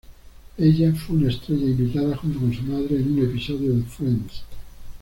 Ella fue una estrella invitada, junto con su madre, en un episodio de "Friends".